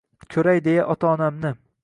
Ko’ray deya otam-onamni.